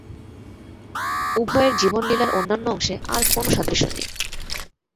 উভয়ের জীবনলীলার অন্যান্য অংশে আর কোন সাদৃশ্য নাই।